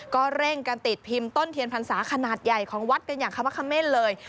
ก็เร่งกันติดพิมพ์ต้นเทียนพรรษาขนาดใหญ่ของวัดกันอย่างขมะเขม่นเลย